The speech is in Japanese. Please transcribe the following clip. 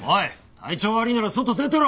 体調悪いなら外出てろ！